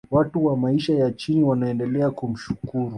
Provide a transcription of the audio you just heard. watu wa maisha ya chini wanaendelea kumshukuru